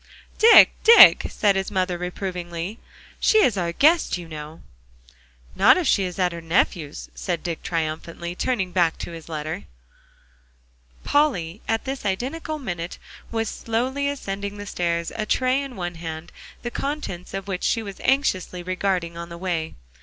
"Dick, Dick," said his mother reprovingly, "she is our guest, you know." "Not if she is at her nephew's," said Dick triumphantly, turning back to his letter. Polly at this identical minute was slowly ascending the stairs, a tray in one hand, the contents of which she was anxiously regarding on the way.